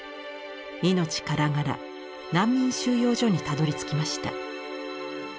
命からがら難民収容所にたどりつきました。